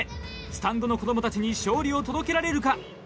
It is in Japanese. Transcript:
スタンドの子供たちに勝利を届けられるか？